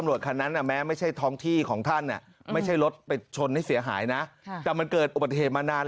ซึ่งอาจจะเข้ามาป่านเข้ามาในพื้นที่